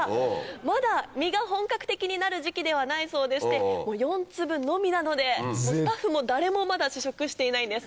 まだ実が本格的になる時期ではないそうでして４粒のみなのでスタッフも誰もまだ試食していないんです。